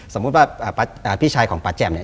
สมมุติว่าพี่ชายของป่าแจ่มเนี่ย